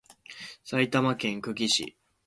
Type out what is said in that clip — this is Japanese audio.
埼玉県久喜市